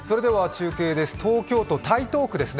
中継です東京都台東区です。